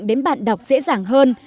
đến bạn đọc dễ dàng hơn